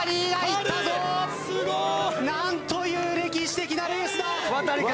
何という歴史的なレースだ！